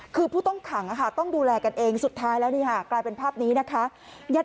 คือผู้ต้องขังต้องดูแลกันเองสุดท้ายแล้วนี่ค่ะกลายเป็นภาพนี้นะคะ